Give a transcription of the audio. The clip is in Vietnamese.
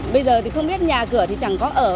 bây giờ thì không biết nhà cửa thì chẳng có ở